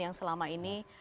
yang selama ini